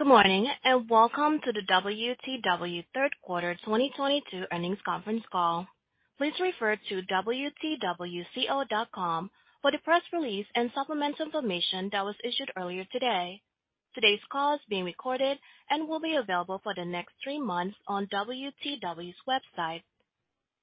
Good morning, and welcome to the WTW third quarter 2022 earnings conference call. Please refer to wtwco.com for the press release and supplemental information that was issued earlier today. Today's call is being recorded and will be available for the next three months on WTW's website.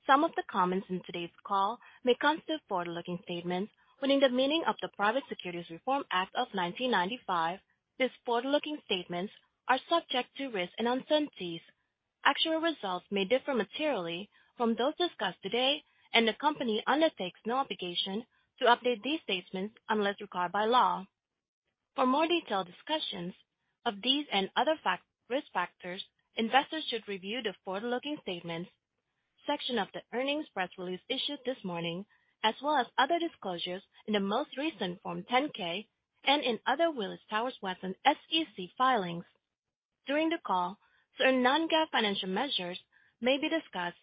Some of the comments in today's call may constitute forward-looking statements within the meaning of the Private Securities Litigation Reform Act of 1995. These forward-looking statements are subject to risks and uncertainties. Actual results may differ materially from those discussed today, and the company undertakes no obligation to update these statements unless required by law. For more detailed discussions of these and other risk factors, investors should review the forward-looking statements section of the earnings press release issued this morning, as well as other disclosures in the most recent Form 10-K and in other Willis Towers Watson SEC filings. During the call, certain non-GAAP financial measures may be discussed.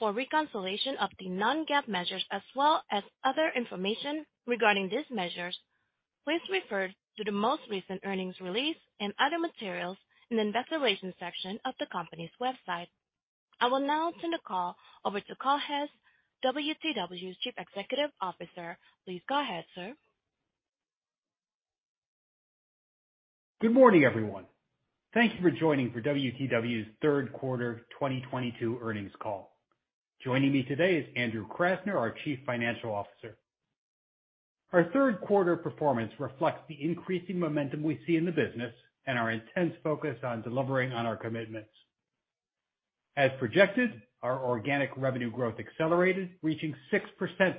For reconciliation of the non-GAAP measures as well as other information regarding these measures, please refer to the most recent earnings release and other materials in the Investors section of the company's website. I will now turn the call over to Carl Hess, WTW's Chief Executive Officer. Please go ahead, sir. Good morning, everyone. Thank you for joining for WTW's third quarter 2022 earnings call. Joining me today is Andrew Krasner, our Chief Financial Officer. Our third quarter performance reflects the increasing momentum we see in the business and our intense focus on delivering on our commitments. As projected, our organic revenue growth accelerated, reaching 6%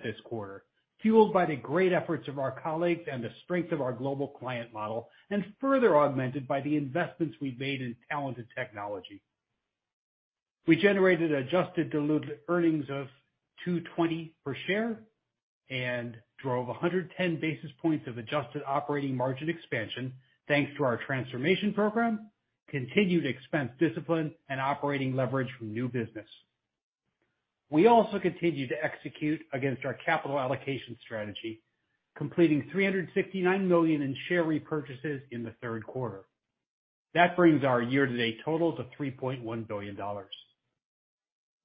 this quarter, fueled by the great efforts of our colleagues and the strength of our global client model, and further augmented by the investments we've made in talent and technology. We generated adjusted diluted earnings of $2.20 per share and drove 110 basis points of adjusted operating margin expansion, thanks to our transformation program, continued expense discipline, and operating leverage from new business. We also continued to execute against our capital allocation strategy, completing $369 million in share repurchases in the third quarter. That brings our year-to-date total to $3.1 billion.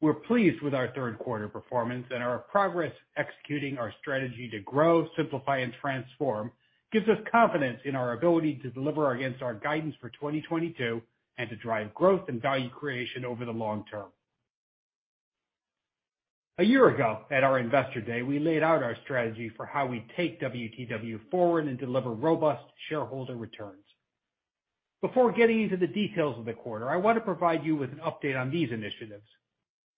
We're pleased with our third quarter performance, and our progress executing our strategy to grow, simplify, and transform gives us confidence in our ability to deliver against our guidance for 2022, and to drive growth and value creation over the long term. A year ago at our Investor Day, we laid out our strategy for how we take WTW forward and deliver robust shareholder returns. Before getting into the details of the quarter, I want to provide you with an update on these initiatives.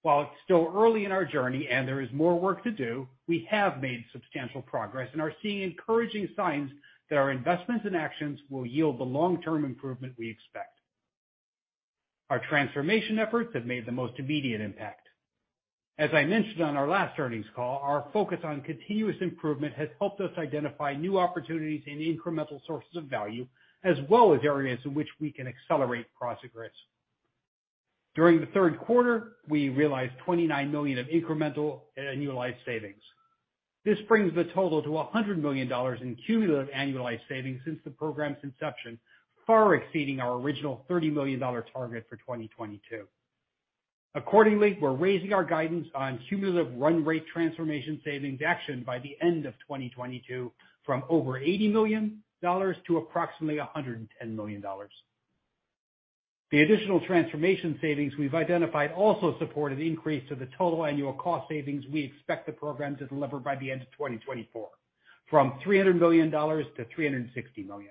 While it's still early in our journey and there is more work to do, we have made substantial progress and are seeing encouraging signs that our investments and actions will yield the long-term improvement we expect. Our transformation efforts have made the most immediate impact. As I mentioned on our last earnings call, our focus on continuous improvement has helped us identify new opportunities and incremental sources of value, as well as areas in which we can accelerate progress. During the third quarter, we realized $29 million of incremental annualized savings. This brings the total to $100 million in cumulative annualized savings since the program's inception, far exceeding our original $30 million target for 2022. Accordingly, we're raising our guidance on cumulative run rate transformation savings by the end of 2022 from over $80 million to approximately $110 million. The additional transformation savings we've identified also support an increase to the total annual cost savings we expect the program to deliver by the end of 2024, from $300 million to $360 million.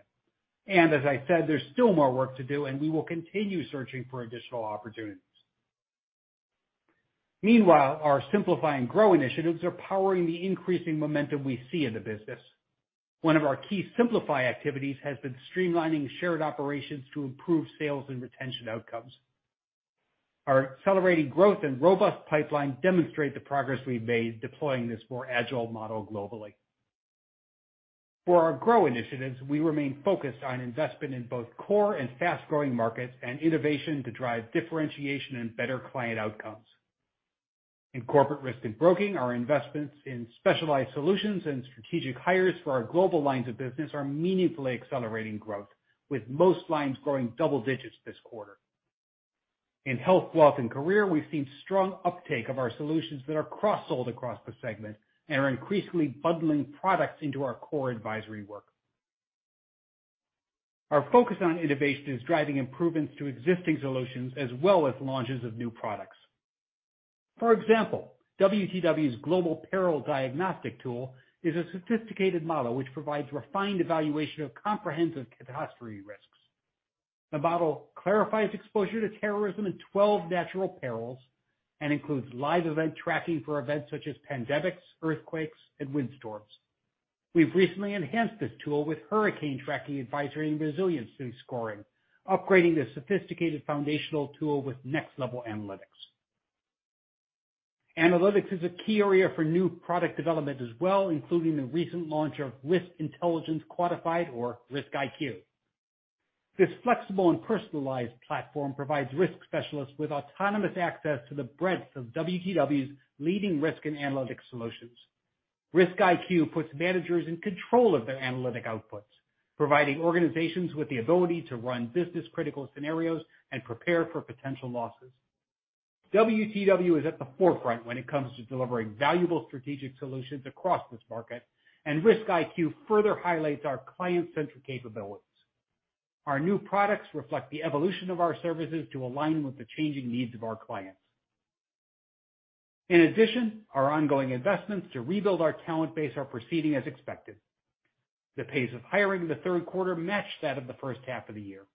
As I said, there's still more work to do, and we will continue searching for additional opportunities. Meanwhile, our Simplify and Grow initiatives are powering the increasing momentum we see in the business. One of our key Simplify activities has been streamlining shared operations to improve sales and retention outcomes. Our accelerating growth and robust pipeline demonstrate the progress we've made deploying this more agile model globally. For our Grow initiatives, we remain focused on investment in both core and fast-growing markets and innovation to drive differentiation and better client outcomes. In Corporate Risk & Broking, our investments in specialized solutions and strategic hires for our global lines of business are meaningfully accelerating growth, with most lines growing double digits this quarter. In Health, Wealth & Career, we've seen strong uptake of our solutions that are cross-sold across the segment and are increasingly bundling products into our core advisory work. Our focus on innovation is driving improvements to existing solutions as well as launches of new products. For example, WTW's Global Peril Diagnostic tool is a sophisticated model which provides refined evaluation of comprehensive catastrophe risks. The model clarifies exposure to terrorism and 12 natural perils and includes live event tracking for events such as pandemics, earthquakes, and windstorms. We've recently enhanced this tool with hurricane tracking advisory and resiliency scoring, upgrading this sophisticated foundational tool with next-level analytics. Analytics is a key area for new product development as well, including the recent launch of Risk Intelligence Quantified, or Risk IQ. This flexible and personalized platform provides risk specialists with autonomous access to the breadth of WTW's leading risk and analytics solutions. Risk IQ puts managers in control of their analytic outputs, providing organizations with the ability to run business-critical scenarios and prepare for potential losses. WTW is at the forefront when it comes to delivering valuable strategic solutions across this market, and Risk IQ further highlights our client-centric capabilities. Our new products reflect the evolution of our services to align with the changing needs of our clients. In addition, our ongoing investments to rebuild our talent base are proceeding as expected. The pace of hiring in the third quarter matched that of the first half of the year.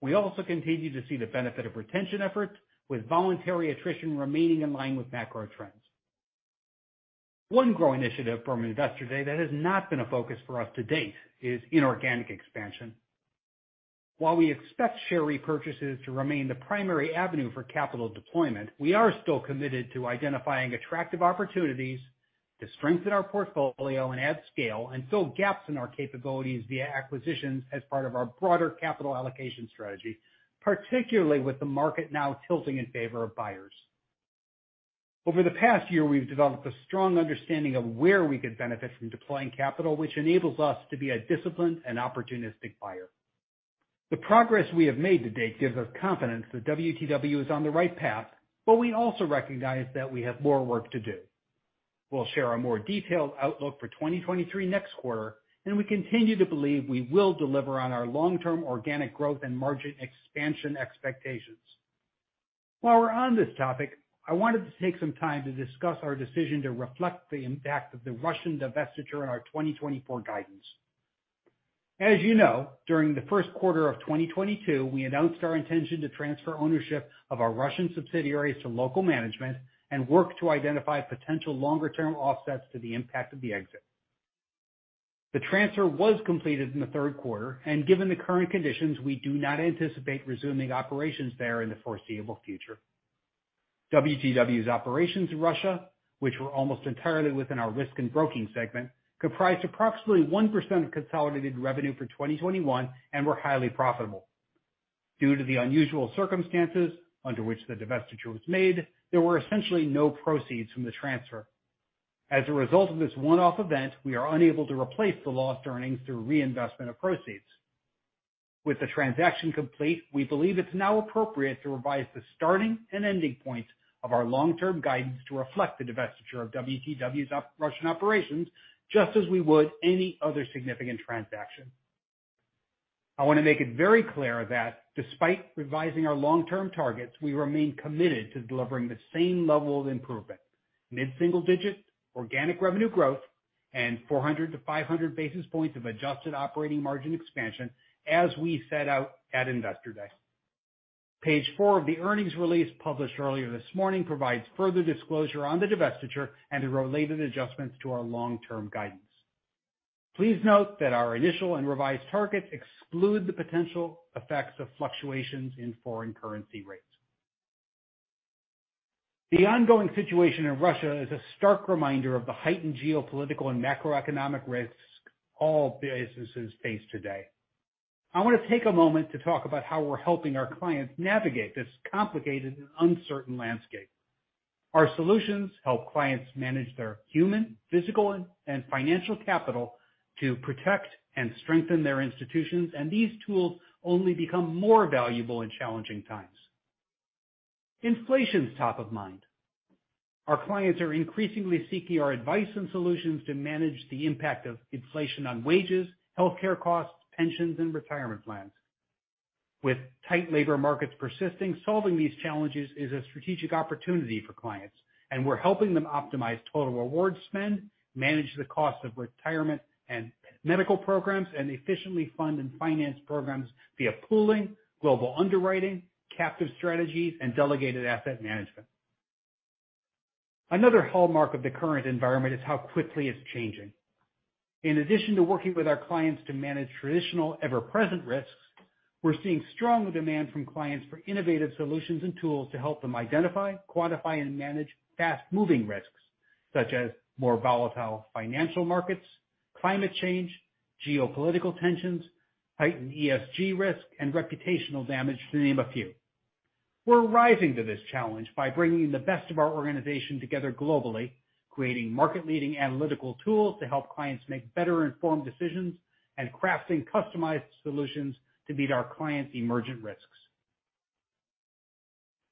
We also continue to see the benefit of retention efforts, with voluntary attrition remaining in line with macro trends. One Grow initiative from Investor Day that has not been a focus for us to date is inorganic expansion. While we expect share repurchases to remain the primary avenue for capital deployment, we are still committed to identifying attractive opportunities to strengthen our portfolio and add scale and fill gaps in our capabilities via acquisitions as part of our broader capital allocation strategy, particularly with the market now tilting in favor of buyers. Over the past year, we've developed a strong understanding of where we could benefit from deploying capital, which enables us to be a disciplined and opportunistic buyer. The progress we have made to date gives us confidence that WTW is on the right path, but we also recognize that we have more work to do. We'll share a more detailed outlook for 2023 next quarter, and we continue to believe we will deliver on our long-term organic growth and margin expansion expectations. While we're on this topic, I wanted to take some time to discuss our decision to reflect the impact of the Russian divestiture in our 2024 guidance. As you know, during the first quarter of 2022, we announced our intention to transfer ownership of our Russian subsidiaries to local management and work to identify potential longer-term offsets to the impact of the exit. The transfer was completed in the third quarter, and given the current conditions, we do not anticipate resuming operations there in the foreseeable future. WTW's operations in Russia, which were almost entirely within our Risk & Broking segment, comprised approximately 1% of consolidated revenue for 2021 and were highly profitable. Due to the unusual circumstances under which the divestiture was made, there were essentially no proceeds from the transfer. As a result of this one-off event, we are unable to replace the lost earnings through reinvestment of proceeds. With the transaction complete, we believe it's now appropriate to revise the starting and ending points of our long-term guidance to reflect the divestiture of WTW's Russian operations, just as we would any other significant transaction. I want to make it very clear that despite revising our long-term targets, we remain committed to delivering the same level of improvement, mid-single-digit organic revenue growth and 400 basis points-500 basis points of adjusted operating margin expansion as we set out at Investor Day. Page four of the earnings release published earlier this morning provides further disclosure on the divestiture and the related adjustments to our long-term guidance. Please note that our initial and revised targets exclude the potential effects of fluctuations in foreign currency rates. The ongoing situation in Russia is a stark reminder of the heightened geopolitical and macroeconomic risk all businesses face today. I want to take a moment to talk about how we're helping our clients navigate this complicated and uncertain landscape. Our solutions help clients manage their human, physical, and financial capital to protect and strengthen their institutions, and these tools only become more valuable in challenging times. Inflation's top of mind. Our clients are increasingly seeking our advice and solutions to manage the impact of inflation on wages, healthcare costs, pensions, and retirement plans. With tight labor markets persisting, solving these challenges is a strategic opportunity for clients, and we're helping them optimize total reward spend, manage the cost of retirement and medical programs, and efficiently fund and finance programs via pooling, global underwriting, captive strategies, and delegated asset management. Another hallmark of the current environment is how quickly it's changing. In addition to working with our clients to manage traditional ever-present risks, we're seeing stronger demand from clients for innovative solutions and tools to help them identify, quantify, and manage fast-moving risks, such as more volatile financial markets, climate change, geopolitical tensions, heightened ESG risk, and reputational damage, to name a few. We're rising to this challenge by bringing the best of our organization together globally, creating market-leading analytical tools to help clients make better informed decisions, and crafting customized solutions to meet our clients' emergent risks.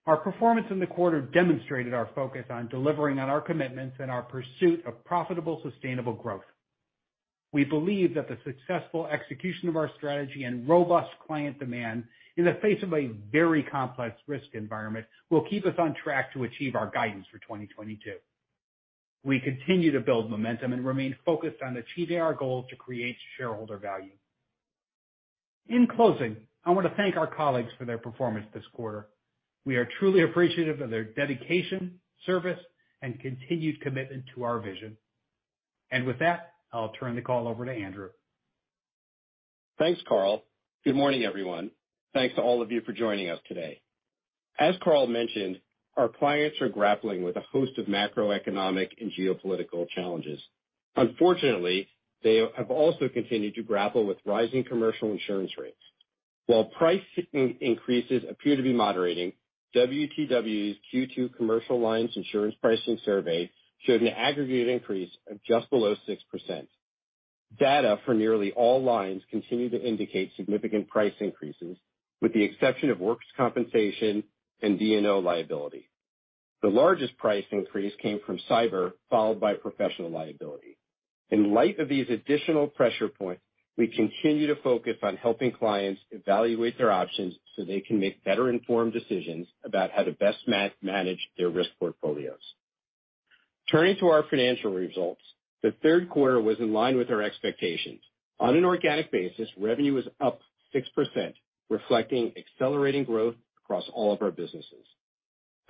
Our performance in the quarter demonstrated our focus on delivering on our commitments and our pursuit of profitable, sustainable growth. We believe that the successful execution of our strategy and robust client demand in the face of a very complex risk environment will keep us on track to achieve our guidance for 2022. We continue to build momentum and remain focused on achieving our goal to create shareholder value. In closing, I want to thank our colleagues for their performance this quarter. We are truly appreciative of their dedication, service, and continued commitment to our vision. With that, I'll turn the call over to Andrew. Thanks, Carl. Good morning, everyone. Thanks to all of you for joining us today. As Carl mentioned, our clients are grappling with a host of macroeconomic and geopolitical challenges. Unfortunately, they have also continued to grapple with rising commercial insurance rates. While price increases appear to be moderating, WTW's Q2 commercial lines insurance pricing survey showed an aggregate increase of just below 6%. Data for nearly all lines continue to indicate significant price increases, with the exception of workers' compensation and D&O liability. The largest price increase came from cyber, followed by professional liability. In light of these additional pressure points, we continue to focus on helping clients evaluate their options so they can make better-informed decisions about how to best manage their risk portfolios. Turning to our financial results, the third quarter was in line with our expectations. On an organic basis, revenue was up 6%, reflecting accelerating growth across all of our businesses.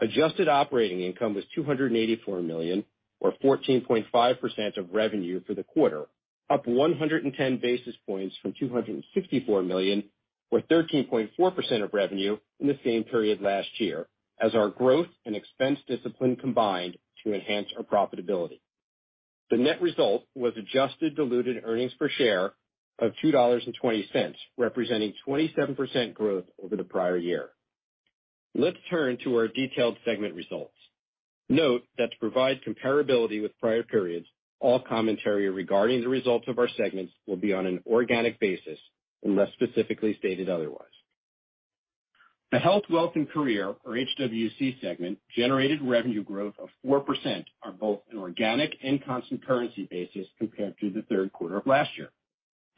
Adjusted operating income was $284 million, or 14.5% of revenue for the quarter, up 110 basis points from $264 million, or 13.4% of revenue in the same period last year, as our growth and expense discipline combined to enhance our profitability. The net result was adjusted diluted earnings per share of $2.20, representing 27% growth over the prior year. Let's turn to our detailed segment results. Note that to provide comparability with prior periods, all commentary regarding the results of our segments will be on an organic basis unless specifically stated otherwise. The Health, Wealth & Career, or HWC segment, generated revenue growth of 4% on both an organic and constant currency basis compared to the third quarter of last year.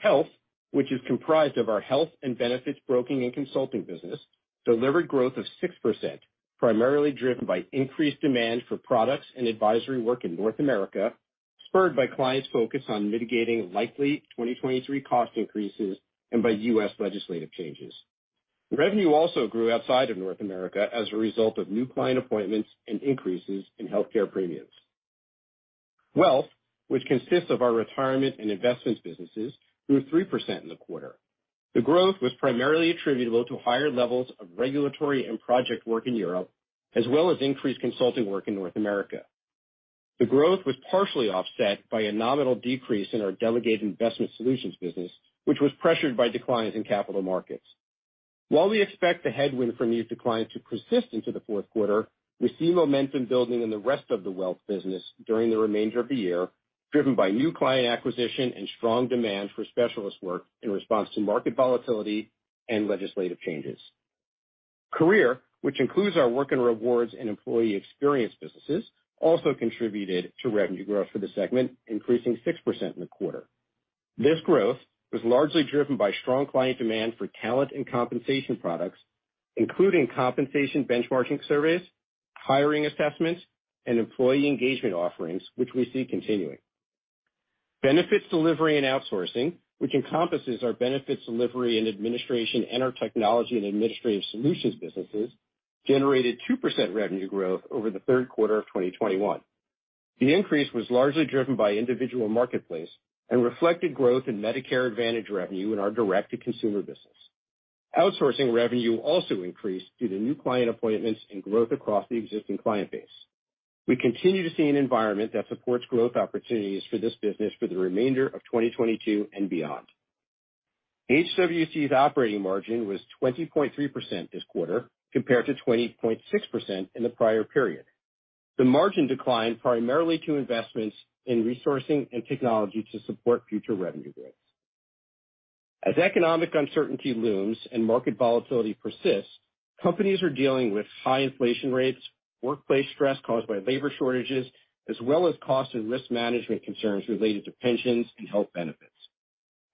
Health, which is comprised of our health and benefits broking and consulting business, delivered growth of 6%, primarily driven by increased demand for products and advisory work in North America, spurred by clients' focus on mitigating likely 2023 cost increases and by U.S. legislative changes. Revenue also grew outside of North America as a result of new client appointments and increases in healthcare premiums. Wealth, which consists of our retirement and investments businesses, grew 3% in the quarter. The growth was primarily attributable to higher levels of regulatory and project work in Europe, as well as increased consulting work in North America. The growth was partially offset by a nominal decrease in our delegated investment solutions business, which was pressured by declines in capital markets. While we expect the headwind from these declines to persist into the fourth quarter, we see momentum building in the rest of the Wealth business during the remainder of the year, driven by new client acquisition and strong demand for specialist work in response to market volatility and legislative changes. Career, which includes our work and rewards and employee experience businesses, also contributed to revenue growth for the segment, increasing 6% in the quarter. This growth was largely driven by strong client demand for talent and compensation products, including compensation benchmarking surveys, hiring assessments, and employee engagement offerings, which we see continuing. Benefits Delivery & Outsourcing, which encompasses our benefits delivery and administration and our technology and administrative solutions businesses, generated 2% revenue growth over the third quarter of 2021. The increase was largely driven by individual marketplace and reflected growth in Medicare Advantage revenue in our direct-to-consumer business. Outsourcing revenue also increased due to new client appointments and growth across the existing client base. We continue to see an environment that supports growth opportunities for this business for the remainder of 2022 and beyond. HWC's operating margin was 20.3% this quarter, compared to 20.6% in the prior period. The margin declined primarily due to investments in resourcing and technology to support future revenue growth. As economic uncertainty looms and market volatility persists, companies are dealing with high inflation rates, workplace stress caused by labor shortages, as well as cost and risk management concerns related to pensions and health benefits.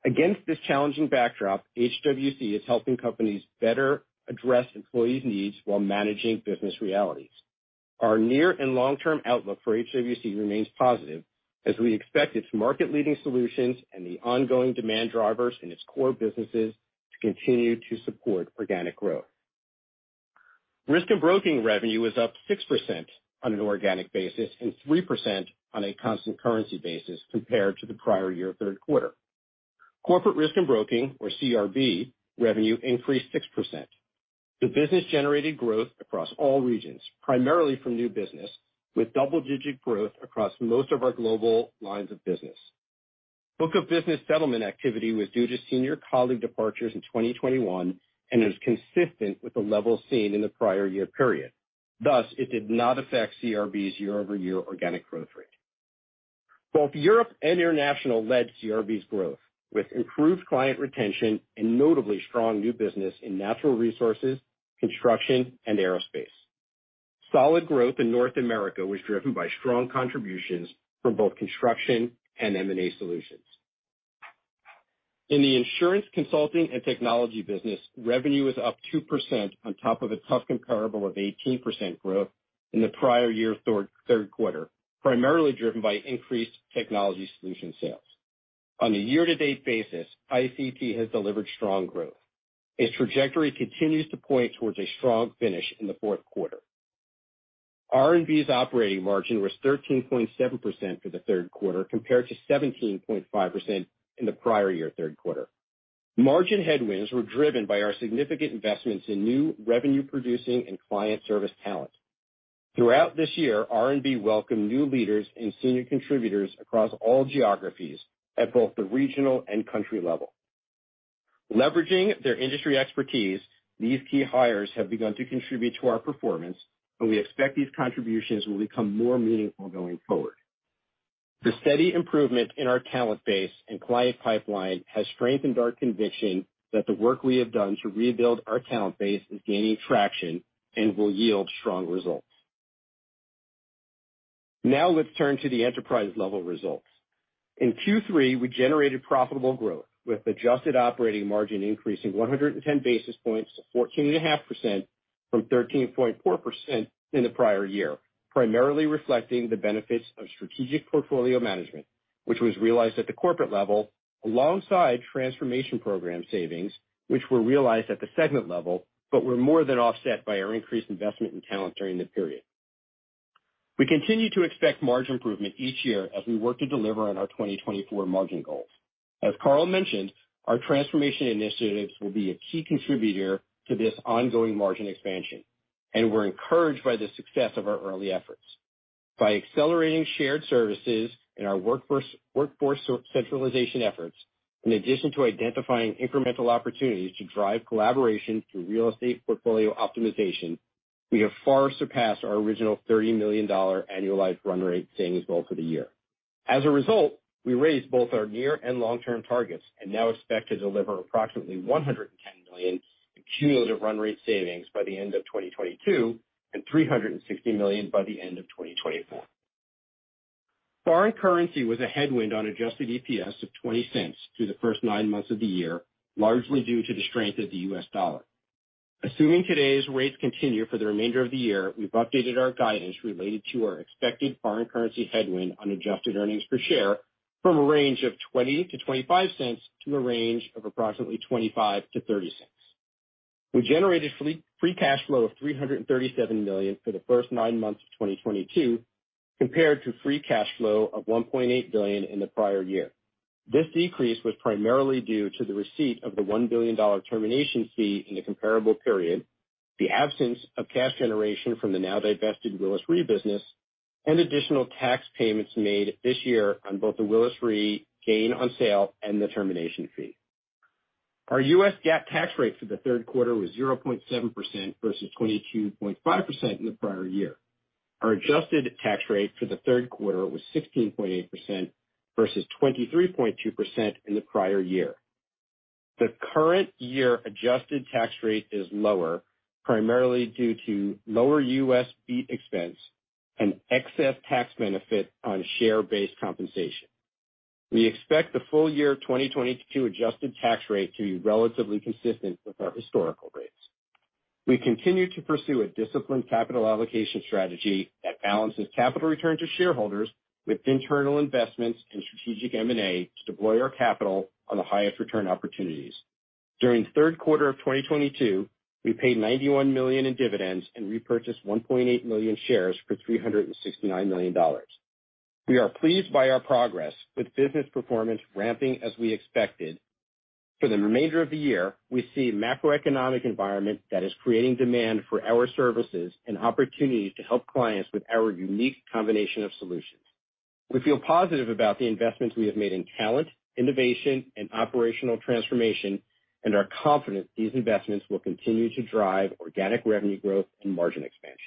Against this challenging backdrop, HWC is helping companies better address employees' needs while managing business realities. Our near and long-term outlook for HWC remains positive, as we expect its market-leading solutions and the ongoing demand drivers in its core businesses to continue to support organic growth. Risk & Broking revenue is up 6% on an organic basis and 3% on a constant currency basis compared to the prior-year third quarter. Corporate Risk & Broking, or CRB, revenue increased 6%. The business generated growth across all regions, primarily from new business, with double-digit growth across most of our global lines of business. Book of business settlement activity was due to senior colleague departures in 2021 and is consistent with the level seen in the prior-year period. Thus, it did not affect CRB's year-over-year organic growth rate. Both Europe and international led CRB's growth, with improved client retention and notably strong new business in natural resources, construction, and aerospace. Solid growth in North America was driven by strong contributions from both construction and M&A solutions. In the Insurance Consulting and Technology business, revenue is up 2% on top of a tough comparable of 18% growth in the prior-year third quarter, primarily driven by increased technology solution sales. On a year-to-date basis, IC&T has delivered strong growth. Its trajectory continues to point towards a strong finish in the fourth quarter. R&B's operating margin was 13.7% for the third quarter compared to 17.5% in the prior-year third quarter. Margin headwinds were driven by our significant investments in new revenue producing and client service talent. Throughout this year, R&B welcomed new leaders and senior contributors across all geographies at both the regional and country level. Leveraging their industry expertise, these key hires have begun to contribute to our performance, and we expect these contributions will become more meaningful going forward. The steady improvement in our talent base and client pipeline has strengthened our conviction that the work we have done to rebuild our talent base is gaining traction and will yield strong results. Now let's turn to the enterprise-level results. In Q3, we generated profitable growth with adjusted operating margin increasing 110 basis points to 14.5% from 13.4% in the prior year, primarily reflecting the benefits of strategic portfolio management, which was realized at the corporate level alongside transformation program savings, which were realized at the segment level, but were more than offset by our increased investment in talent during the period. We continue to expect margin improvement each year as we work to deliver on our 2024 margin goals. As Carl mentioned, our transformation initiatives will be a key contributor to this ongoing margin expansion, and we're encouraged by the success of our early efforts. By accelerating shared services and our workforce centralization efforts, in addition to identifying incremental opportunities to drive collaboration through real estate portfolio optimization, we have far surpassed our original $30 million annualized run rate savings goal for the year. As a result, we raised both our near and long-term targets and now expect to deliver approximately $110 million in cumulative run rate savings by the end of 2022 and $360 million by the end of 2024. Foreign currency was a headwind on adjusted EPS of $0.20 through the first nine months of the year, largely due to the strength of the U.S. dollar. Assuming today's rates continue for the remainder of the year, we've updated our guidance related to our expected foreign currency headwind on adjusted earnings per share from a range of $0.20-$0.25 to a range of approximately $0.25-$0.30. We generated free cash flow of $337 million for the first nine months of 2022 compared to free cash flow of $1.8 billion in the prior year. This decrease was primarily due to the receipt of the $1 billion termination fee in the comparable period, the absence of cash generation from the now divested Willis Re business, and additional tax payments made this year on both the Willis Re gain on sale and the termination fee. Our U.S. GAAP tax rate for the third quarter was 0.7% versus 22.5% in the prior year. Our adjusted tax rate for the third quarter was 16.8% versus 23.2% in the prior year. The current year adjusted tax rate is lower, primarily due to lower U.S. BEAT expense and excess tax benefit on share-based compensation. We expect the full year 2022 adjusted tax rate to be relatively consistent with our historical rates. We continue to pursue a disciplined capital allocation strategy that balances capital return to shareholders with internal investments and strategic M&A to deploy our capital on the highest return opportunities. During the third quarter of 2022, we paid $91 million in dividends and repurchased 1.8 million shares for $369 million. We are pleased by our progress with business performance ramping as we expected. For the remainder of the year, we see a macroeconomic environment that is creating demand for our services and opportunities to help clients with our unique combination of solutions. We feel positive about the investments we have made in talent, innovation and operational transformation, and are confident these investments will continue to drive organic revenue growth and margin expansion.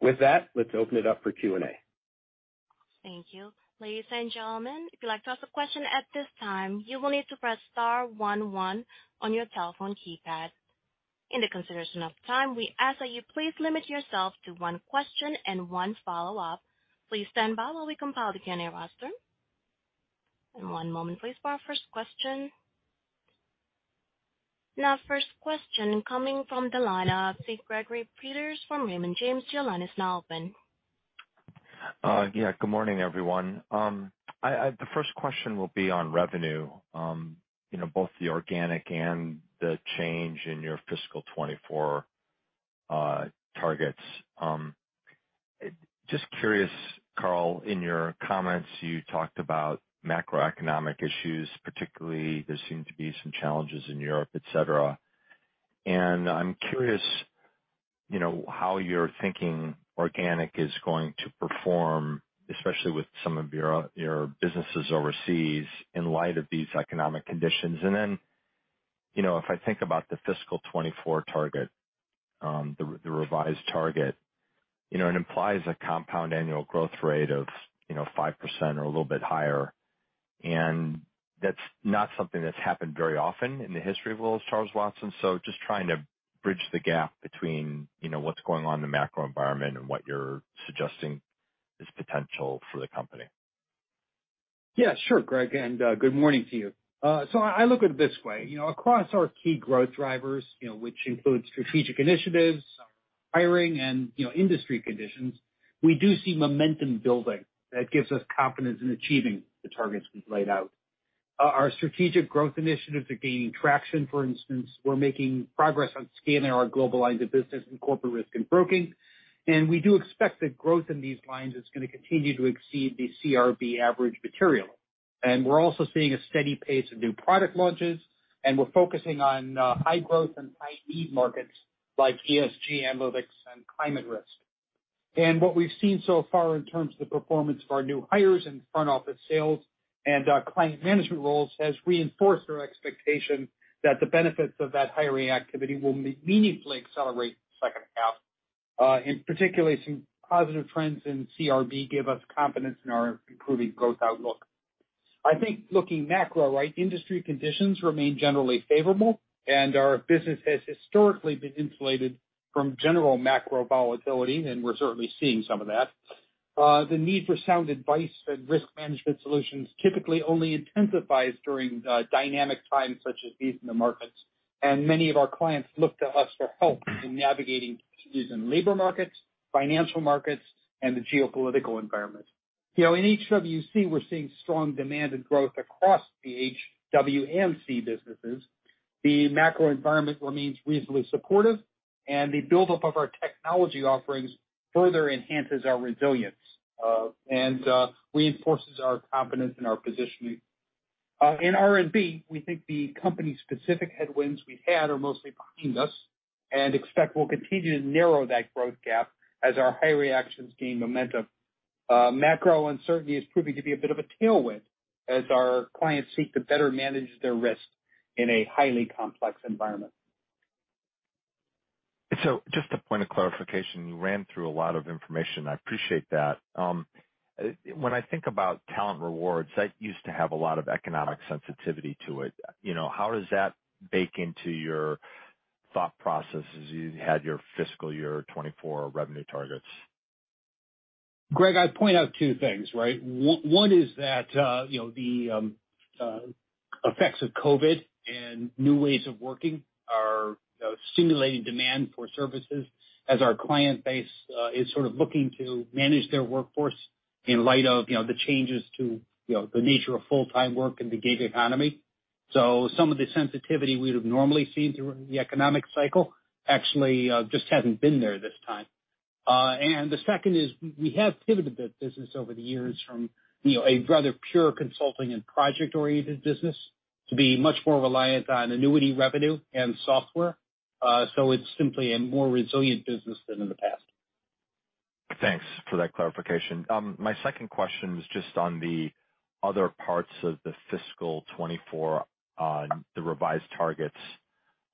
With that, let's open it up for Q&A. Thank you. Ladies and gentlemen, if you'd like to ask a question at this time, you will need to press star one one on your telephone keypad. In the consideration of time, we ask that you please limit yourself to one question and one follow-up. Please stand by while we compile the Q&A roster. One moment please for our first question. Our first question coming from the line of C. Gregory Peters from Raymond James. Your line is now open. Yeah, good morning, everyone. The first question will be on revenue, you know, both the organic and the change in your fiscal 2024 targets. Just curious, Carl, in your comments, you talked about macroeconomic issues, particularly there seem to be some challenges in Europe, et cetera. I'm curious, you know, how you're thinking organic is going to perform, especially with some of your businesses overseas in light of these economic conditions. You know, if I think about the fiscal 2024 target, the revised target, you know, it implies a compound annual growth rate of, you know, 5% or a little bit higher. That's not something that's happened very often in the history of Willis Towers Watson. Just trying to bridge the gap between, you know, what's going on in the macro environment and what you're suggesting is potential for the company. Yeah, sure, Greg, and good morning to you. I look at it this way, you know, across our key growth drivers, you know, which includes strategic initiatives, hiring and, you know, industry conditions, we do see momentum building that gives us confidence in achieving the targets we've laid out. Our strategic growth initiatives are gaining traction. For instance, we're making progress on scaling our global lines of business in Corporate Risk & Broking. We do expect that growth in these lines is gonna continue to exceed the CRB average materially. We're also seeing a steady pace of new product launches, and we're focusing on high-growth and high-need markets like ESG analytics and climate risk. What we've seen so far in terms of the performance of our new hires in front office sales and client management roles has reinforced our expectation that the benefits of that hiring activity will meaningfully accelerate second half. In particular, some positive trends in CRB give us confidence in our improving growth outlook. I think looking macro, right, industry conditions remain generally favorable and our business has historically been insulated from general macro volatility, and we're certainly seeing some of that. The need for sound advice and risk management solutions typically only intensifies during dynamic times such as these in the markets. Many of our clients look to us for help in navigating opportunities in labor markets, financial markets, and the geopolitical environment. You know, in HWC, we're seeing strong demand and growth across the H, W, and C businesses. The macro environment remains reasonably supportive, and the buildup of our technology offerings further enhances our resilience and reinforces our confidence in our positioning. In R&B, we think the company-specific headwinds we had are mostly behind us and expect we'll continue to narrow that growth gap as our hire actions gain momentum. Macro uncertainty is proving to be a bit of a tailwind as our clients seek to better manage their risk in a highly complex environment. Just a point of clarification. You ran through a lot of information. I appreciate that. When I think about talent rewards, that used to have a lot of economic sensitivity to it, you know. How does that bake into your thought process as you had your fiscal year 2024 revenue targets? Greg, I'd point out two things, right? One is that, you know, the effects of COVID and new ways of working are, you know, stimulating demand for services as our client base is sort of looking to manage their workforce in light of, you know, the changes to, you know, the nature of full-time work and the gig economy. Some of the sensitivity we'd have normally seen through the economic cycle actually just hasn't been there this time. And the second is we have pivoted the business over the years from, you know, a rather pure consulting and project-oriented business to be much more reliant on annuity revenue and software. It's simply a more resilient business than in the past. Thanks for that clarification. My second question is just on the other parts of the fiscal 2024, the revised targets.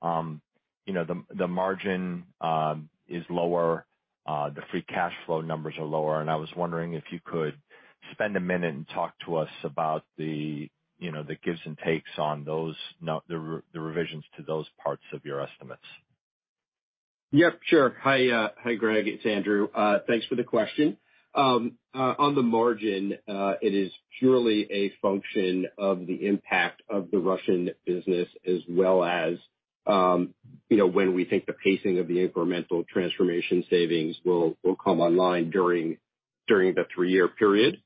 You know, the margin is lower. The free cash flow numbers are lower, and I was wondering if you could spend a minute and talk to us about the, you know, the gives and takes on those the revisions to those parts of your estimates. Yeah, sure. Hi, Greg, it's Andrew. Thanks for the question. On the margin, it is purely a function of the impact of the Russian business as well as, you know, when we think the pacing of the incremental transformation savings will come online during the three-year period.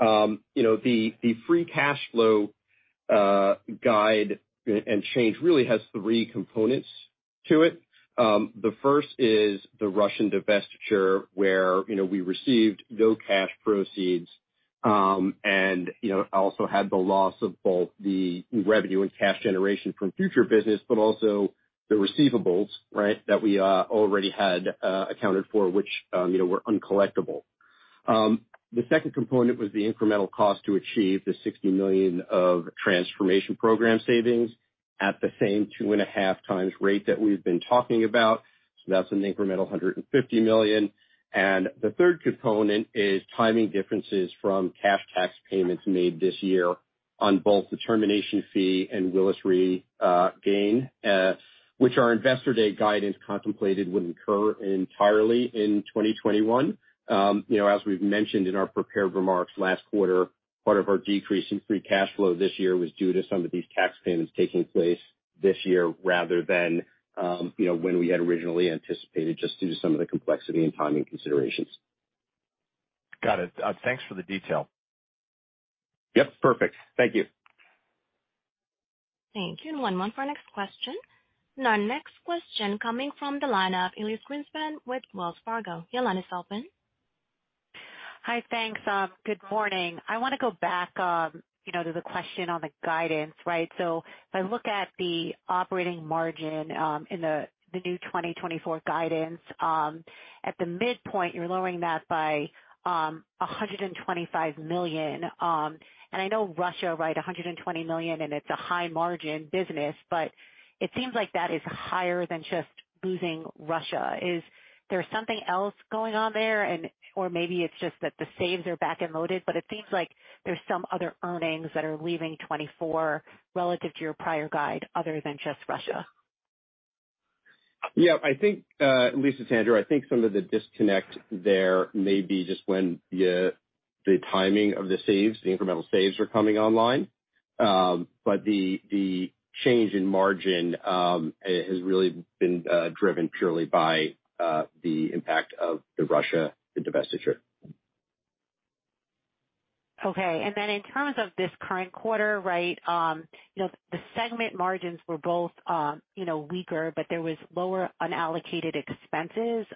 You know, the free cash flow guide and change really has three components to it. The first is the Russian divestiture, where, you know, we received no cash proceeds, and, you know, also had the loss of both the revenue and cash generation from future business, but also the receivables, right? That we already had accounted for which, you know, were uncollectible. The second component was the incremental cost to achieve the $60 million of transformation program savings at the same 2.5x rate that we've been talking about. That's an incremental $150 million. The third component is timing differences from cash tax payments made this year on both the termination fee and Willis Re gain, which our Investor Day guidance contemplated would incur entirely in 2021. You know, as we've mentioned in our prepared remarks last quarter, part of our decrease in free cash flow this year was due to some of these tax payments taking place this year rather than, you know, when we had originally anticipated, just due to some of the complexity and timing considerations. Got it. Thanks for the detail. Yep. Perfect. Thank you. Thank you. One moment for our next question. Our next question coming from the line of Elyse Greenspan with Wells Fargo. Your line is open. Hi, thanks. Good morning. I wanna go back, you know, to the question on the guidance, right? If I look at the operating margin, in the new 2024 guidance, at the midpoint, you're lowering that by $125 million. I know Russia, right, $120 million, and it's a high-margin business, but it seems like that is higher than just losing Russia. Is there something else going on there and, or maybe it's just that the saves are back-end loaded, but it seems like there's some other earnings that are leaving 2024 relative to your prior guide other than just Russia. Yeah, I think, Elyse, it's Andrew. I think some of the disconnect there may be just when, yeah, the timing of the saves, the incremental saves are coming online. The change in margin has really been driven purely by the impact of the Russia divestiture. Okay. In terms of this current quarter, right, you know, the segment margins were both, you know, weaker, but there was lower unallocated expenses.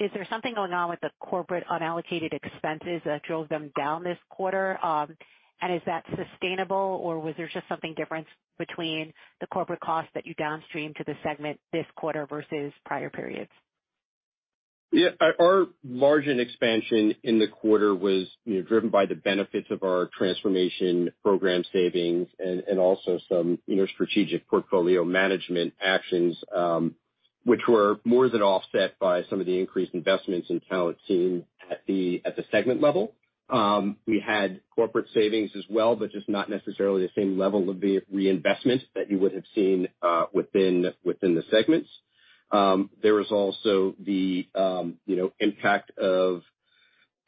Is there something going on with the corporate unallocated expenses that drove them down this quarter? Is that sustainable, or was there just something different between the corporate costs that you downstreamed to the segment this quarter versus prior periods? Yeah, our margin expansion in the quarter was, you know, driven by the benefits of our transformation program savings and also some, you know, strategic portfolio management actions, which were more than offset by some of the increased investments in talent seen at the segment level. We had corporate savings as well, but just not necessarily the same level of reinvestment that you would have seen within the segments. There was also the impact of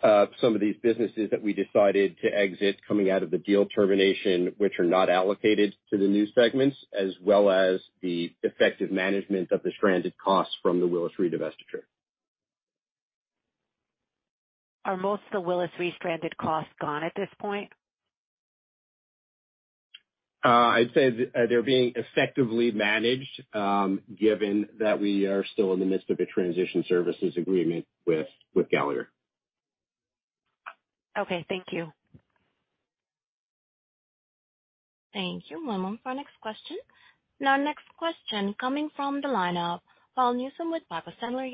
some of these businesses that we decided to exit coming out of the deal termination, which are not allocated to the new segments, as well as the effective management of the stranded costs from the Willis Re divestiture. Are most of the Willis Re-stranded costs gone at this point? I'd say they're being effectively managed, given that we are still in the midst of a transition services agreement with Gallagher. Okay. Thank you. Thank you. One moment for our next question. Our next question coming from the line of Paul Newsome with Piper Sandler.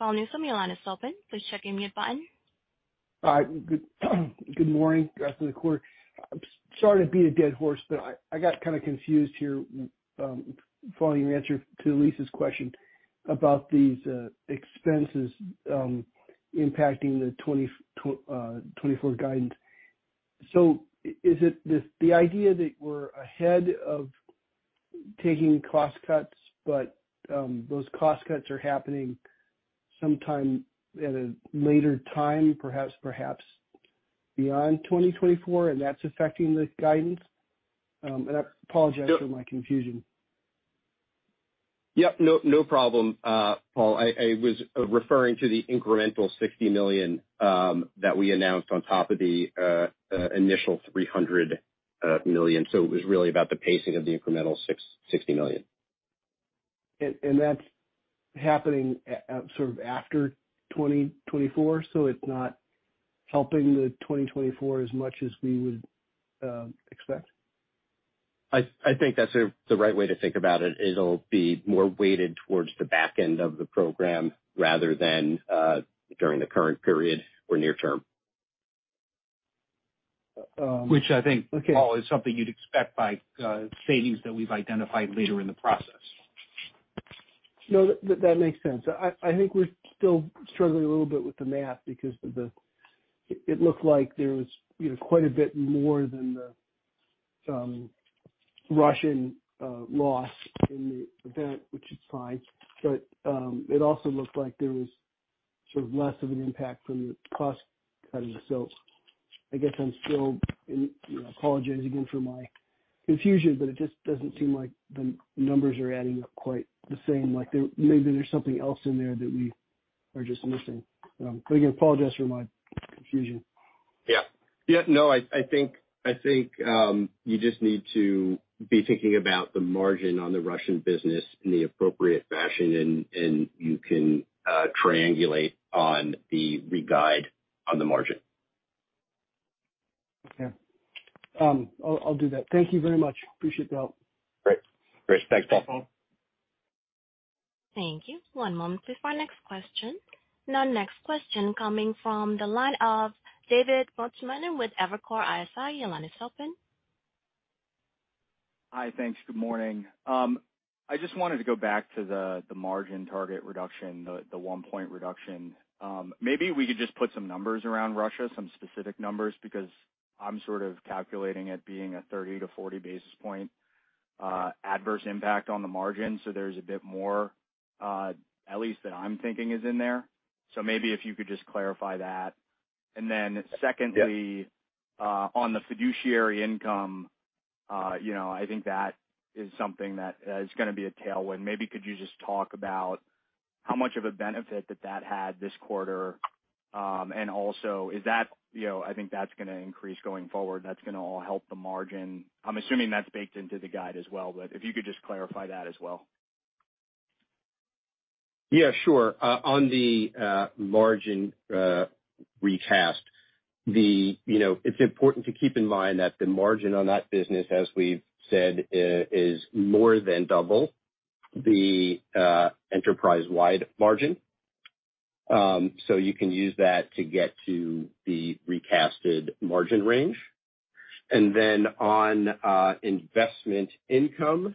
Your line is open. Paul Newsome, your line is open. Please check your mute button. All right. Good morning, rest of the quarter. I'm sorry to beat a dead horse, but I got kind of confused here, following your answer to Elyse's question about these expenses, impacting the 2024 guidance. Is it the idea that we're ahead of taking cost cuts, but those cost cuts are happening sometime at a later time, perhaps beyond 2024, and that's affecting the guidance? I apologize for my confusion. Yep. No, no problem, Paul. I was referring to the incremental $60 million that we announced on top of the initial $300 million. It was really about the pacing of the incremental $60 million. That's happening sort of after 2024, so it's not helping the 2024 as much as we would expect? I think that's the right way to think about it. It'll be more weighted towards the back end of the program rather than during the current period or near term. Okay. Which I think, Paul, is something you'd expect by savings that we've identified later in the process. No, that makes sense. I think we're still struggling a little bit with the math because of the. It looked like there was, you know, quite a bit more than the Russian loss in the event, which is fine, but it also looked like there was sort of less of an impact from the cost cutting. I guess I'm still, you know, apologizing again for my confusion, but it just doesn't seem like the numbers are adding up quite the same. Like, maybe there's something else in there that we are just missing. Again, apologize for my confusion. Yeah, no, I think you just need to be thinking about the margin on the Russian business in the appropriate fashion and you can triangulate on the re-guide on the margin. Okay. I'll do that. Thank you very much. Appreciate the help. Great. Thanks, Paul. Thanks, Paul. Thank you. One moment, please, for our next question. Our next question coming from the line of David Motemaden with Evercore ISI. Your line is open. Hi. Thanks. Good morning. I just wanted to go back to the margin target reduction, the 1-point reduction. Maybe we could just put some numbers around Russia, some specific numbers, because I'm sort of calculating it being a 30-40 basis point-adverse impact on the margin, so there's a bit more, at least that I'm thinking is in there. Maybe if you could just clarify that. Secondly— Yeah. On the fiduciary income, you know, I think that is something that is gonna be a tailwind. Maybe could you just talk about how much of a benefit that had this quarter? Also, is that you know, I think that's gonna increase going forward, and that's gonna all help the margin. I'm assuming that's baked into the guide as well, but if you could just clarify that as well. Yeah, sure. On the margin recast, you know, it's important to keep in mind that the margin on that business, as we've said, is more than double the enterprise-wide margin. So you can use that to get to the recasted margin range. Then on investment income,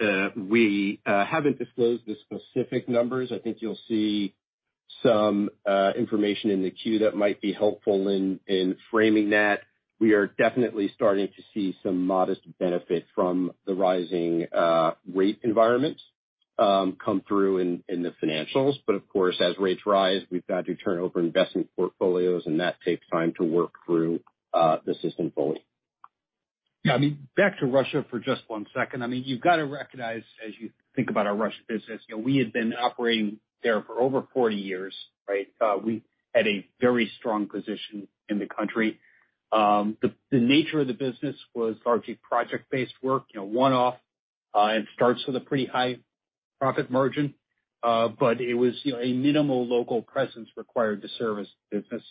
we haven't disclosed the specific numbers. I think you'll see some information in the Q that might be helpful in framing that. We are definitely starting to see some modest benefit from the rising rate environment come through in the financials. Of course, as rates rise, we've got to turn over investment portfolios, and that takes time to work through the system fully. Yeah, I mean, back to Russia for just one second. I mean, you've got to recognize as you think about our Russia business, you know, we had been operating there for over 40 years, right? We had a very strong position in the country. The nature of the business was largely project-based work, you know, one-off. It starts with a pretty high profit margin, but it was, you know, a minimal local presence required to service the business.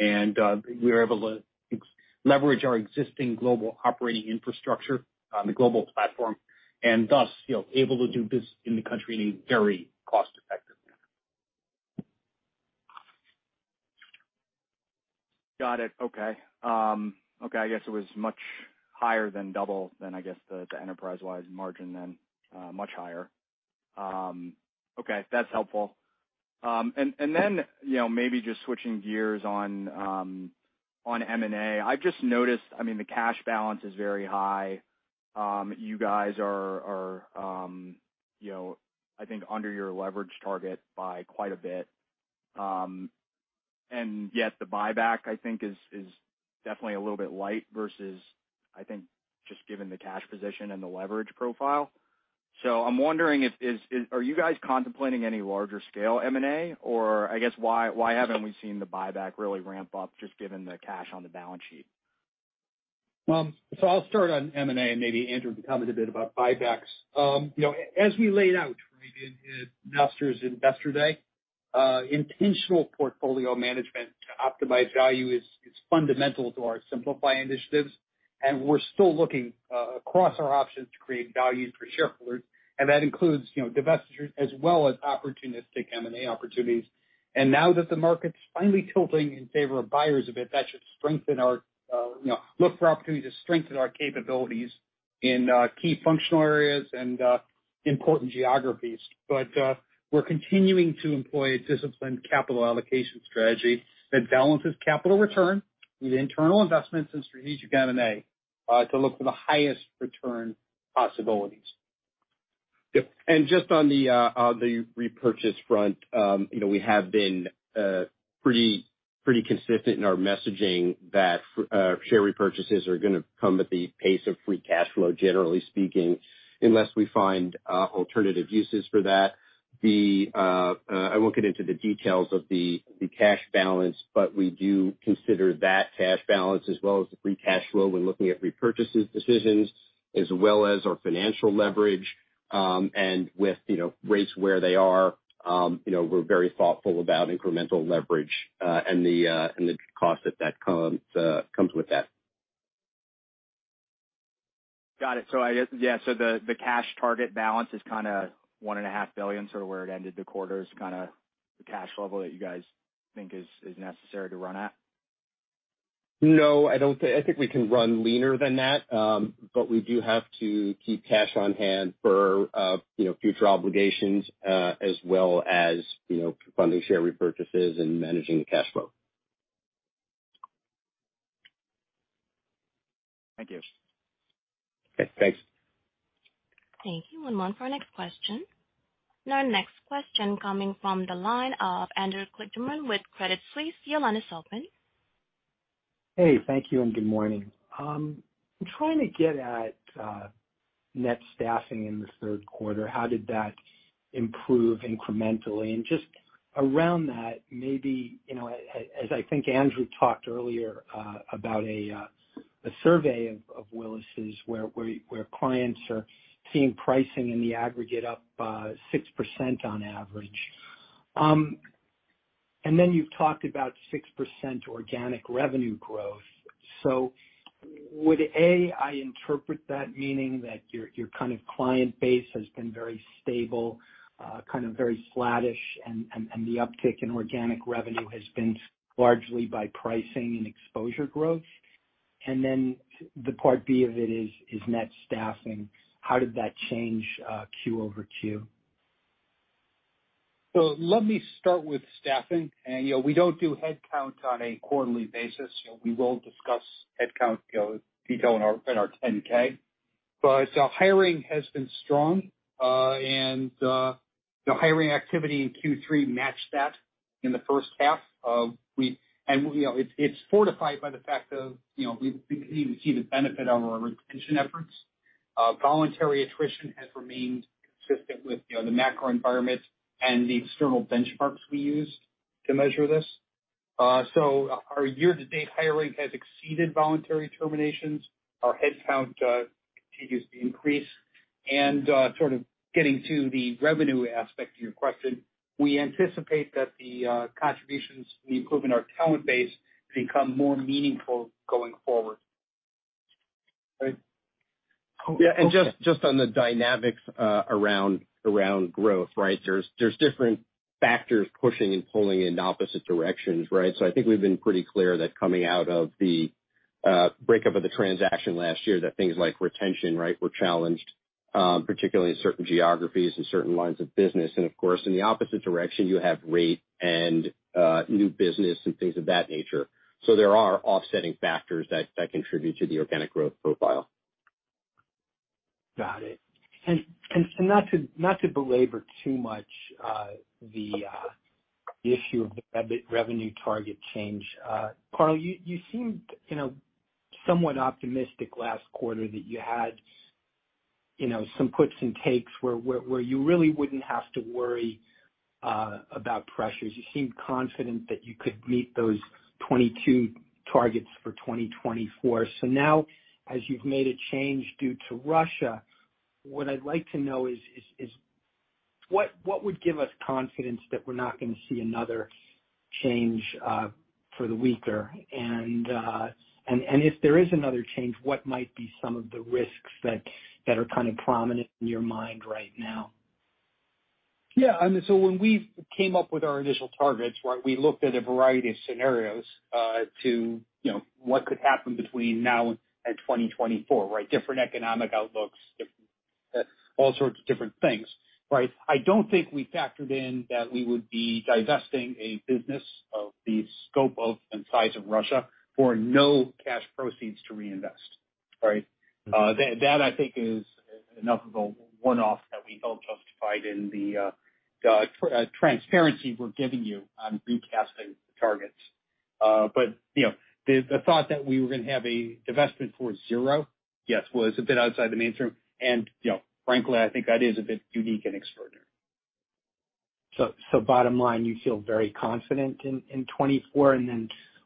We were able to leverage our existing global operating infrastructure, the global platform, and thus, you know, able to do business in the country in a very cost-effective manner. Got it. Okay. Okay. I guess it was much higher than double than, I guess, the enterprise-wide margin then, much higher. Okay, that's helpful. You know, maybe just switching gears on M&A. I've just noticed, I mean, the cash balance is very high. You guys are you know, I think under your leverage target by quite a bit. Yet the buyback, I think is definitely a little bit light versus, I think, just given the cash position and the leverage profile. I'm wondering if are you guys contemplating any larger scale M&A? I guess why haven't we seen the buyback really ramp up just given the cash on the balance sheet? I'll start on M&A, and maybe Andrew can comment a bit about buybacks. You know, as we laid out, right, in Investor Day, intentional portfolio management to optimize value is fundamental to our Simplify initiatives, and we're still looking across our options to create value for shareholders, and that includes, you know, divestitures as well as opportunistic M&A opportunities. Now that the market's finally tilting in favor of buyers a bit, that should strengthen our—you know, look for opportunities to strengthen our capabilities in key functional areas and important geographies. We're continuing to employ a disciplined capital allocation strategy that balances capital return with internal investments and strategic M&A to look for the highest return possibilities. Yep. Just on the repurchase front, you know, we have been pretty consistent in our messaging that share repurchases are gonna come at the pace of free cash flow, generally speaking, unless we find alternative uses for that. I won't get into the details of the cash balance, but we do consider that cash balance as well as the free cash flow when looking at repurchases decisions as well as our financial leverage, and with, you know, rates where they are, you know, we're very thoughtful about incremental leverage, and the cost that comes with that. Got it. I guess. Yeah, the cash target balance is kinda $1.5 billion, sort of where it ended the quarter is kinda the cash level that you guys think is necessary to run at? I think we can run leaner than that, but we do have to keep cash on hand for, you know, future obligations, as well as, you know, funding share repurchases and managing the cash flow. Thank you. Okay. Thanks. Thank you. One moment for our next question. Your next question coming from the line of Andrew Kligerman with Credit Suisse. Your line is open. Hey, thank you and good morning. I'm trying to get at net staffing in the third quarter, how did that improve incrementally? Just around that, maybe, you know, as I think Andrew talked earlier about a survey of Willis's where clients are seeing pricing in the aggregate up 6% on average. And then you've talked about 6% organic revenue growth. Would, A, I interpret that meaning that your kind of client base has been very stable, kind of very flattish and the uptick in organic revenue has been largely by pricing and exposure growth? And then the part B of it is net staffing. How did that change QoQ? Let me start with staffing. We don't do headcount on a quarterly basis. We will discuss headcount detail in our 10-K. Hiring has been strong, and the hiring activity in Q3 matched that in the first half of. It's fortified by the fact of we continue to see the benefit of our retention efforts. Voluntary attrition has remained consistent with the macro environment and the external benchmarks we use to measure this. Our year-to-date hiring has exceeded voluntary terminations. Our headcount continues to increase. Sort of getting to the revenue aspect of your question, we anticipate that the contributions from the improvement in our talent base become more meaningful going forward. Great. Yeah. Just on the dynamics around growth, right? There's different factors pushing and pulling in opposite directions, right? I think we've been pretty clear that coming out of the breakup of the transaction last year, things like retention, right, were challenged, particularly in certain geographies and certain lines of business. Of course, in the opposite direction, you have rate and new business and things of that nature. There are offsetting factors that contribute to the organic growth profile. Got it. Not to belabor too much the issue of the revenue target change, Carl, you seemed, you know, somewhat optimistic last quarter that you had, you know, some puts and takes where you really wouldn't have to worry about pressures. You seemed confident that you could meet those 2022 targets for 2024. Now, as you've made a change due to Russia, what I'd like to know is what would give us confidence that we're not gonna see another change for the weaker? If there is another change, what might be some of the risks that are kind of prominent in your mind right now? I mean, when we came up with our initial targets, right, we looked at a variety of scenarios, to you know what could happen between now and 2024, right? Different economic outlooks, different, all sorts of different things, right? I don't think we factored in that we would be divesting a business of the scope and size of Russia for no cash proceeds to reinvest, right? That I think is enough of a one-off that we don't justify it in the transparency we're giving you on recasting the targets. You know, the thought that we were gonna have a divestment for zero, yes, was a bit outside the mainstream. You know, frankly, I think that is a bit unique and extraordinary. Bottom line, you feel very confident in 2024.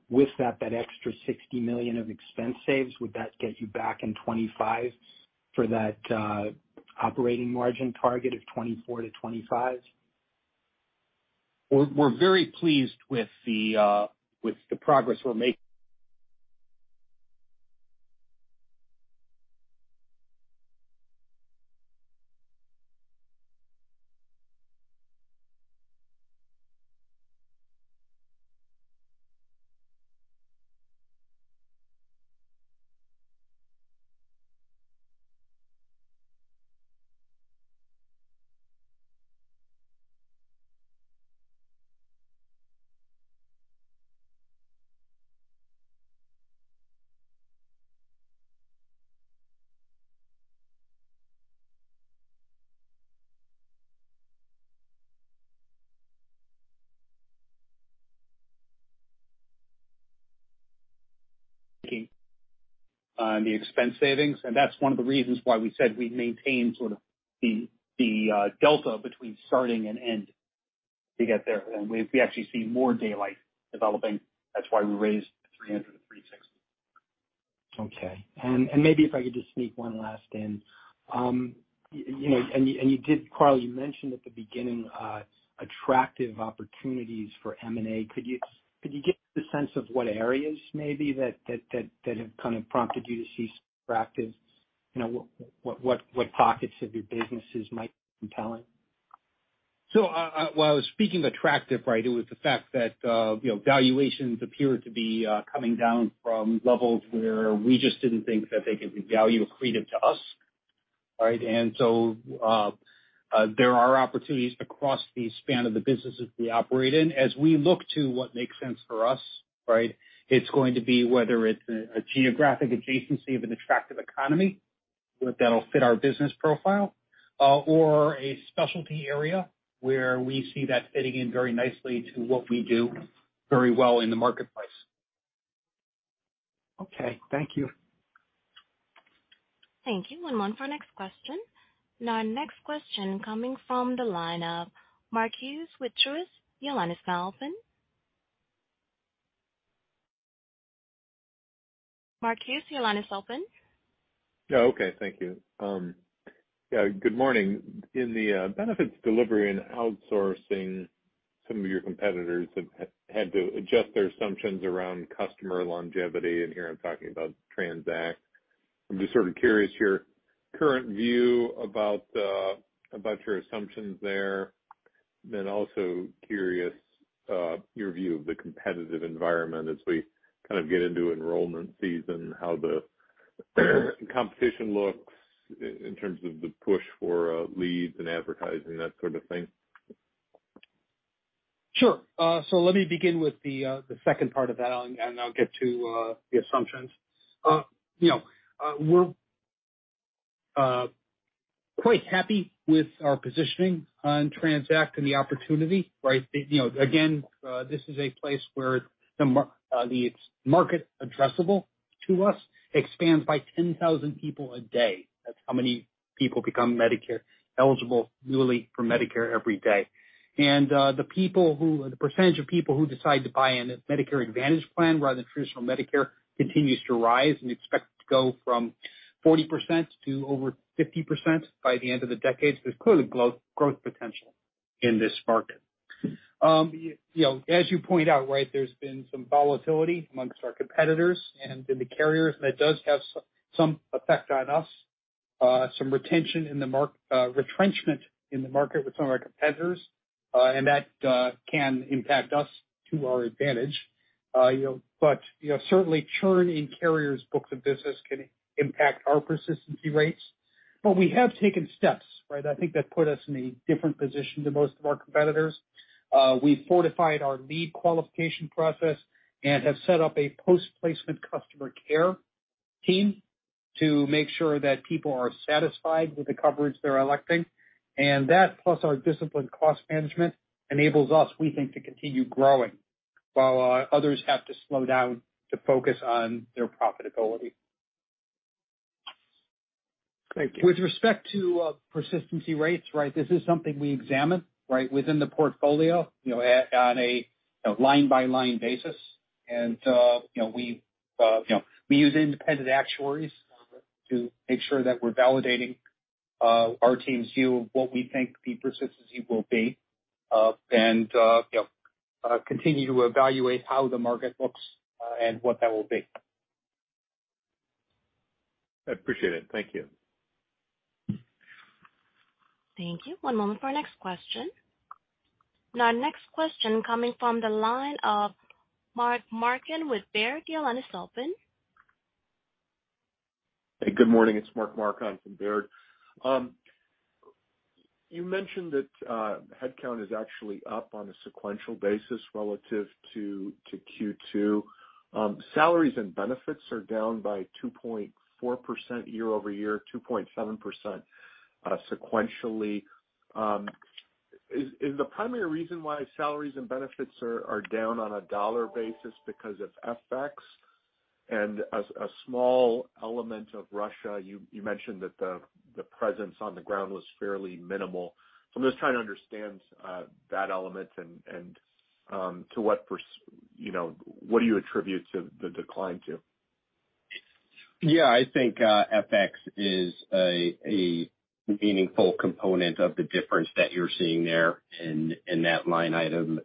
With that extra $60 million of expense savings, would that get you back in 2025 for that operating margin target of 24%-25%? We're very pleased with the progress we're making on the expense savings, and that's one of the reasons why we said we'd maintain sort of the delta between starting and end to get there. We actually see more daylight developing. That's why we raised the $300 million-$360 million. Okay. Maybe if I could just sneak one last in. You know, you did, Carl, you mentioned at the beginning attractive opportunities for M&A. Could you give the sense of what areas maybe that have kind of prompted you to see some practice? You know, what pockets of your businesses might be compelling? While speaking of attractive, right, it was the fact that, you know, valuations appear to be coming down from levels where we just didn't think that they could be value accretive to us, right? There are opportunities across the span of the businesses we operate in. As we look to what makes sense for us, right, it's going to be whether it's a geographic adjacency of an attractive economy that'll fit our business profile, or a specialty area where we see that fitting in very nicely to what we do very well in the marketplace. Okay. Thank you. Thank you. One moment for next question. Now, next question coming from the line of Mark Hughes with Truist. Your line is now open. Mark Hughes, your line is open. Yeah. Okay. Thank you. Yeah, good morning. In the benefits delivery and outsourcing, some of your competitors have had to adjust their assumptions around customer longevity, and here I'm talking about TRANZACT. I'm just sort of curious your current view about your assumptions there. Then also curious your view of the competitive environment as we kind of get into enrollment season, how the competition looks in terms of the push for leads and advertising, that sort of thing. Sure. So let me begin with the second part of that, and I'll get to the assumptions. You know, we're quite happy with our positioning on TRANZACT and the opportunity, right? You know, again, this is a place where the market addressable to us expands by 10,000 people a day. That's how many people become Medicare eligible newly for Medicare every day. The percentage of people who decide to buy in a Medicare Advantage plan rather than traditional Medicare continues to rise and expect to go from 40% to over 50% by the end of the decade. There's clearly growth potential in this market. You know, as you point out, right, there's been some volatility amongst our competitors and in the carriers, and that does have some effect on us. Some retrenchment in the market with some of our competitors, and that can impact us to our advantage. Certainly churn in carriers books of business can impact our persistency rates. We have taken steps, right, I think, that put us in a different position to most of our competitors. We fortified our lead qualification process and have set up a post-placement customer care team to make sure that people are satisfied with the coverage they're electing. That plus our disciplined cost management enables us, we think, to continue growing while others have to slow down to focus on their profitability. Thank you. With respect to persistency rates, right, this is something we examine, right, within the portfolio, you know, on a, you know, line-by-line basis. We use independent actuaries to make sure that we're validating our team's view of what we think the persistency will be, and continue to evaluate how the market looks, and what that will be. I appreciate it. Thank you. Thank you. One moment for our next question. Our next question coming from the line of Mark Marcon with Baird. Your line is open. Hey, good morning. It's Mark Marcon from Baird. You mentioned that headcount is actually up on a sequential basis relative to Q2. Salaries and benefits are down by 2.4% year-over-year, 2.7% sequentially. Is the primary reason why salaries and benefits are down on a dollar basis because of FX? And as a small element of Russia, you mentioned that the presence on the ground was fairly minimal. I'm just trying to understand that element and, you know, what do you attribute the decline to? Yeah. I think FX is a meaningful component of the difference that you're seeing there in that line item,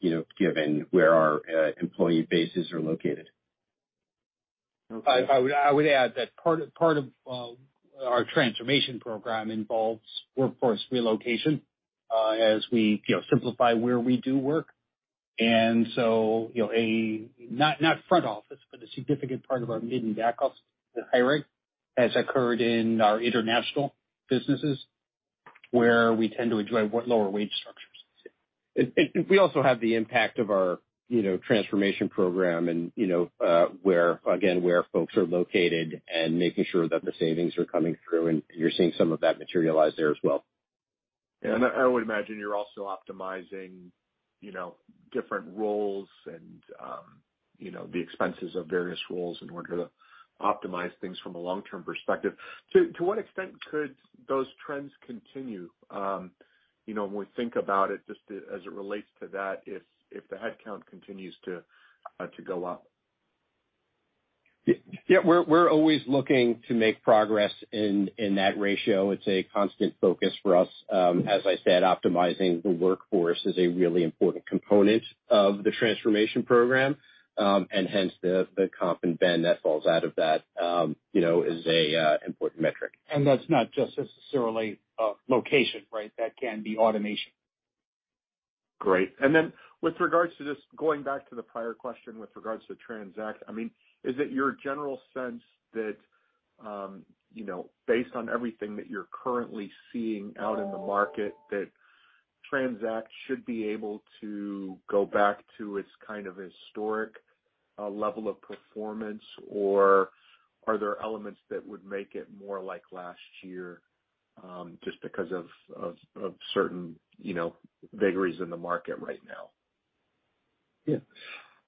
you know, given where our employee bases are located. Okay. I would add that part of our transformation program involves workforce relocation, as we, you know, simplify where we do work. You know, not front office, but a significant part of our mid and back office, the hiring has occurred in our international businesses, where we tend to enjoy lower wage structures. We also have the impact of our, you know, transformation program and, you know, where again where folks are located and making sure that the savings are coming through, and you're seeing some of that materialize there as well. Yeah. I would imagine you're also optimizing, you know, different roles and, you know, the expenses of various roles in order to optimize things from a long-term perspective. To what extent could those trends continue, you know, when we think about it just as it relates to that if the headcount continues to go up? Yeah. We're always looking to make progress in that ratio. It's a constant focus for us. As I said, optimizing the workforce is a really important component of the transformation program, and hence the comp and benefits that falls out of that, you know, is a important metric. That's not just necessarily a location, right? That can be automation. Great. With regard to this, going back to the prior question with regard to TRANZACT, I mean, is it your general sense that, you know, based on everything that you're currently seeing out in the market, that TRANZACT should be able to go back to its kind of historic level of performance, or are there elements that would make it more like last year, just because of certain, you know, vagaries in the market right now?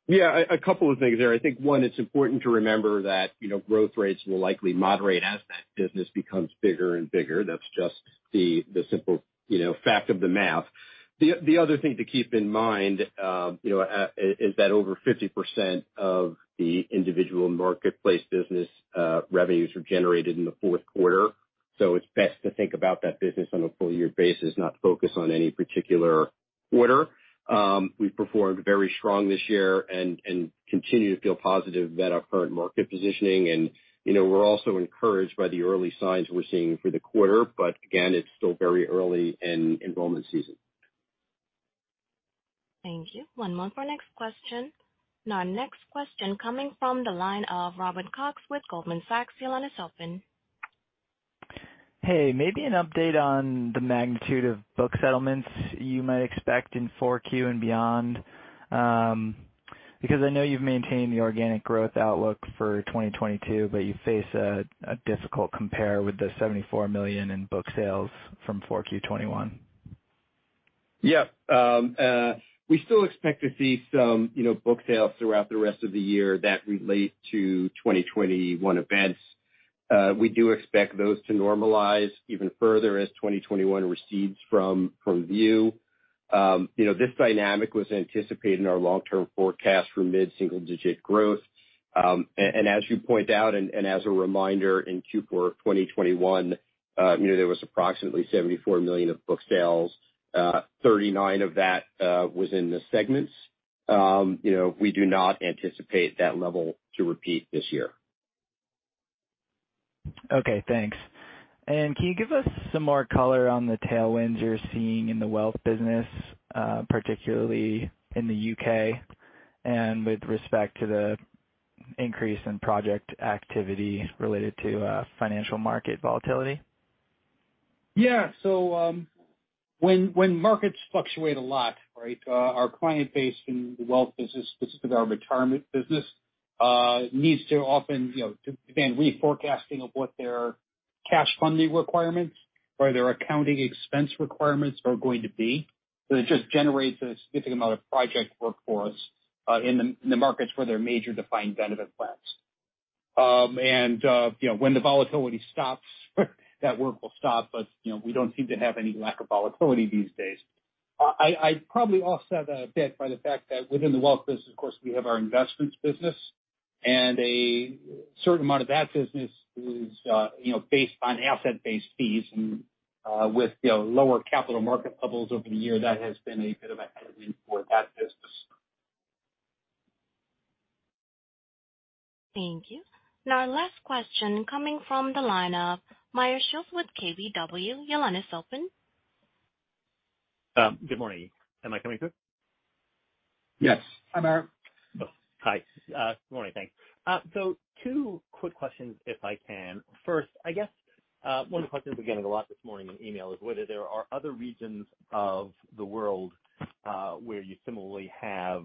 Yeah, a couple of things there. I think one, it's important to remember that, you know, growth rates will likely moderate as that business becomes bigger and bigger. That's just the simple, you know, fact of the math. The other thing to keep in mind is that over 50% of the individual marketplace business revenues are generated in the fourth quarter. So it's best to think about that business on a full-year basis, not focus on any particular quarter. We've performed very strong this year and continue to feel positive about our current market positioning. You know, we're also encouraged by the early signs we're seeing for the quarter. It's still very early in enrollment season. Thank you. One moment for our next question. Our next question coming from the line of Robert Cox with Goldman Sachs. Your line is open. Hey, maybe an update on the magnitude of book settlements you might expect in 4Q and beyond. Because I know you've maintained the organic growth outlook for 2022, but you face a difficult compare with the $74 million in book sales from 4Q 2021. Yeah. We still expect to see some, you know, book sales throughout the rest of the year that relate to 2021 events. We do expect those to normalize even further as 2021 recedes from view. You know, this dynamic was anticipated in our long-term forecast for mid-single digit growth. As you point out and as a reminder, in Q4 of 2021, you know, there was approximately $74 million of book sales. $39 million of that was in the segments. You know, we do not anticipate that level to repeat this year. Okay, thanks. Can you give us some more color on the tailwinds you're seeing in the wealth business, particularly in the U.K. and with respect to the increase in project activity related to financial market volatility? Yeah. When markets fluctuate a lot, right, our client base in the Wealth business, specifically our retirement business, needs to often, you know, to begin reforecasting of what their cash funding requirements or their accounting expense requirements are going to be. It just generates a significant amount of project workforce in the markets where there are major defined benefit plans. You know, when the volatility stops that work will stop. You know, we don't seem to have any lack of volatility these days. I probably offset that a bit by the fact that within the Wealth business, of course, we have our investments business and a certain amount of that business is, you know, based on asset-based fees. With, you know, lower capital market levels over the year, that has been a bit of a headwind for that business. Thank you. Now our last question coming from the line of Meyer Shields with KBW. Your line is open. Good morning. Am I coming through? Yes. Hi, Meyer. Hi. Good morning. Thanks. Two quick questions, if I can. First, I guess, one of the questions we're getting a lot this morning in email is whether there are other regions of the world, where you similarly have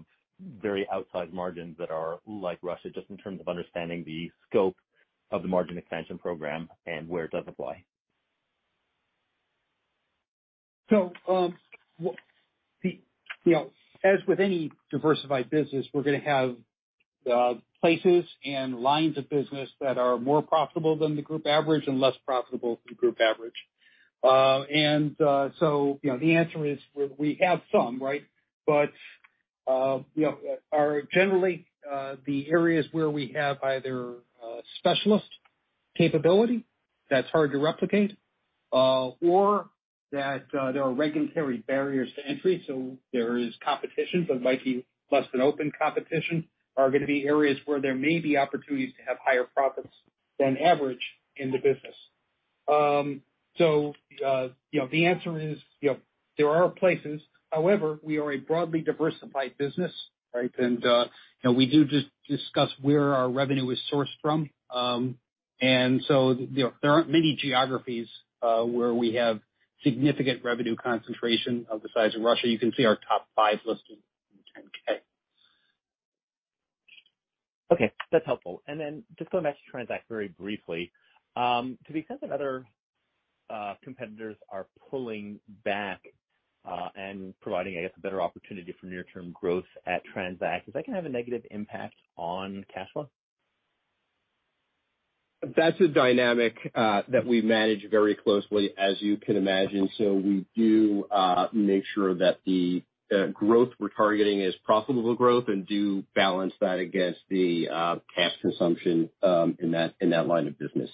very outsized margins that are like Russia, just in terms of understanding the scope of the margin expansion program and where it does apply? You know, as with any diversified business, we're gonna have places and lines of business that are more profitable than the group average and less profitable than the group average. You know, the answer is we have some, right? You know, are generally the areas where we have either a specialist capability that's hard to replicate, or that there are regulatory barriers to entry. There is competition, but it might be less than open competition, are gonna be areas where there may be opportunities to have higher profits than average in the business. You know, the answer is, you know, there are places. However, we are a broadly diversified business, right? You know, we do discuss where our revenue is sourced from. You know, there aren't many geographies where we have significant revenue concentration of the size of Russia. You can see our top five listed in the 10-K. Okay. That's helpful. Just going back to TRANZACT very briefly. To the extent that other competitors are pulling back and providing, I guess, a better opportunity for near-term growth at TRANZACT, is that gonna have a negative impact on cash flow? That's a dynamic that we manage very closely, as you can imagine. We do make sure that the growth we're targeting is profitable growth and do balance that against the cash consumption in that line of business.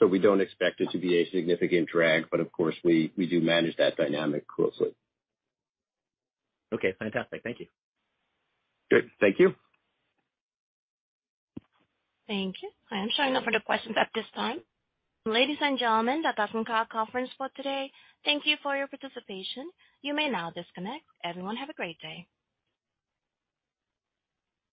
We don't expect it to be a significant drag, but of course, we do manage that dynamic closely. Okay. Fantastic. Thank you. Good. Thank you. Thank you. I am showing no further questions at this time. Ladies and gentlemen, that does conclude our conference for today. Thank you for your participation. You may now disconnect. Everyone, have a great day.